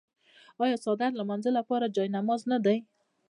آیا څادر د لمانځه لپاره جای نماز نه دی؟